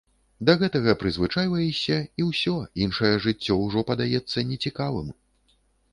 Да гэтага прызвычайваешся і ўсё, іншае жыццё ўжо падаецца нецікавым.